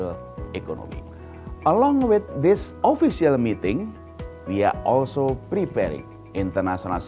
selain dari pertemuan ini kami juga menyiapkan seminar internasional